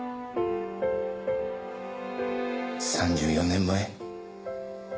３４年前。